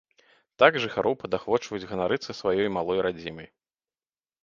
Так жыхароў падахвочваюць ганарыцца сваёй малой радзімай.